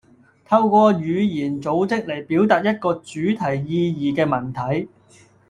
通過語言組織嚟表達一個主題意義嘅文體